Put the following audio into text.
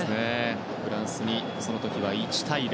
フランスにその時は１対０